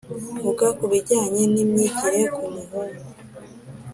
Vuga ku bijyanye n’imyigire ku muhungu